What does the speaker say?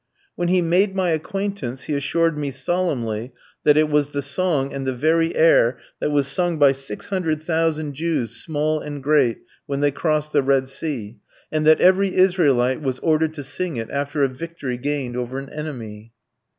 When he made my acquaintance, he assured me solemnly that it was the song, and the very air, that was sung by 600,000 Jews, small and great, when they crossed the Red Sea, and that every Israelite was ordered to sing it after a victory gained over an enemy.